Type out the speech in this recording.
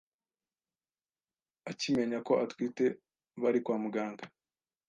akimenya ko atwite bari kwa Muganga.